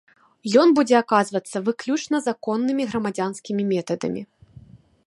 Ён будзе аказвацца выключна законнымі грамадзянскімі метадамі.